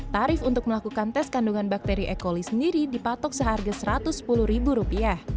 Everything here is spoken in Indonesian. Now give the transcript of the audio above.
tarif untuk melakukan tes kandungan bakteri e coli sendiri dipatok seharga rp satu ratus sepuluh